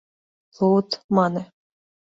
— Луд, — мане.